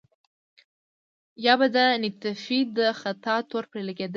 يا به د نطفې د خطا تور پرې لګېده.